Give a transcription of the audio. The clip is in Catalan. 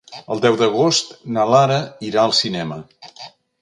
El deu d'agost na Lara irà al cinema.